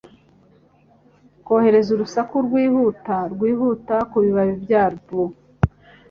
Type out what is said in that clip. Kohereza urusaku rwihuta rwihuta kubibabi byabo,